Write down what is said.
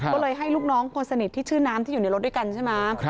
ก็เลยให้ลูกน้องคนสนิทที่ชื่อน้ำที่อยู่ในรถด้วยกันใช่ไหม